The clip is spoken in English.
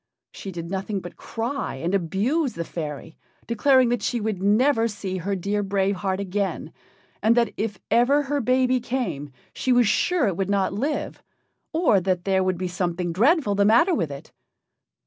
She did nothing but cry and abuse the fairy, declaring that she would never see her dear Brave Heart again, and that if ever her baby came she was sure it would not live, or that there would be something dreadful the matter with it.